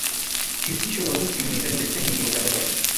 shirikisho la urusi linahitaji leseni ya utangazaji